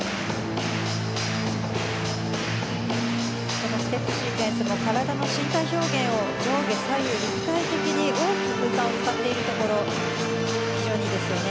このステップシークエンスも体の身体表現を上下左右立体的に大きく空間を使っているところ非常にいいですよね。